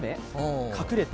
隠れて？